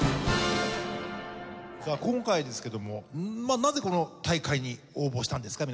さあ今回ですけどもなぜこの大会に応募したんですか？